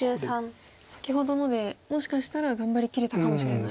先ほどのでもしかしたら頑張りきれたかもしれない。